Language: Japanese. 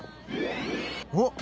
おっ！